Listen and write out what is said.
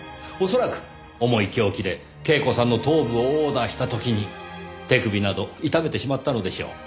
恐らく重い凶器で恵子さんの頭部を殴打した時に手首など痛めてしまったのでしょう。